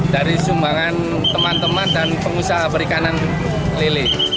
dari sumbangan teman teman dan pengusaha perikanan lele